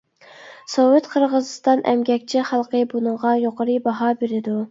سوۋېت قىرغىزىستان ئەمگەكچى خەلقى بۇنىڭغا يۇقىرى باھا بېرىدۇ.